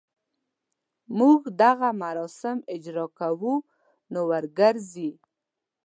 موږ دغه مراسم اجراء کوو نو وګرځي.